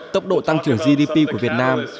tốc độ tăng trưởng gdp của việt nam